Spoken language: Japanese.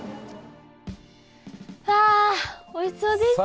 わあおいしそうでしたね。